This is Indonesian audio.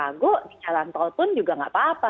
kaguk di jalan tol pun juga nggak apa apa